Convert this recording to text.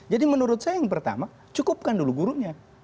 jadi menurut saya yang pertama cukupkan dulu gurunya